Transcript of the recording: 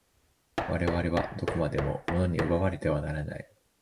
我々はどこまでも物に奪われてはならない。